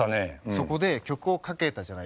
そこで曲をかけたじゃない？